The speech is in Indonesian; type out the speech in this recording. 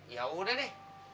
ya udah deh